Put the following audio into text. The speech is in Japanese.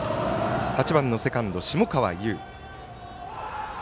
８番のセカンド、下川優。